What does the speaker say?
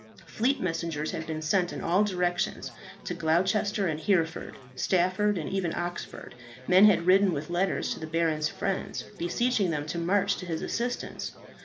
Fleet messengers had been sent in all directions. To Gloucester and Hereford, Stafford, and even Oxford, men had ridden, with letters to the baron's friends, beseeching them to march to his assistance.